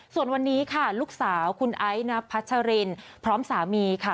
ส่วนวันนี้ค่ะลูกสาวคุณไอซ์นับพัชรินพร้อมสามีค่ะ